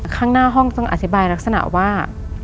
ข้างหน้าห้องต้องอธิบายลักษณะว่า